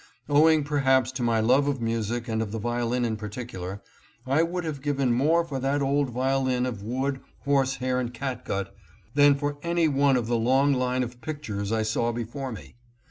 Owing perhaps to my love of music and of the violin in particular, I would have given more for that old violin of wood, horse hair, and catgut than for any one of the long line of pictures I saw before me.